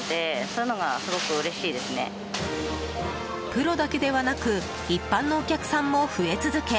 プロだけではなく一般のお客さんも増え続け